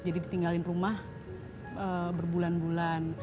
jadi ditinggalin rumah berbulan bulan